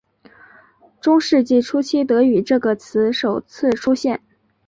中世纪初期德语这个词首次出现。